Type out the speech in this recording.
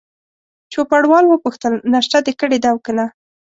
چوپړوال وپوښتل: ناشته دي کړې ده او که نه؟